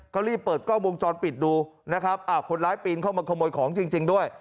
ก็รีบเปิดกล้องวงจรปิดดูนะครับคนร้ายปีนเข้ามาขโมยของจริงด้วย